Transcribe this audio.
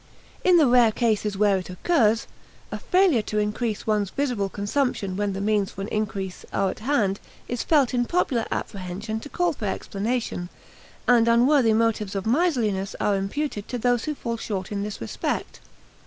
In the rare cases where it occurs, a failure to increase one's visible consumption when the means for an increase are at hand is felt in popular apprehension to call for explanation, and unworthy motives of miserliness are imputed to those who fall short in this respect.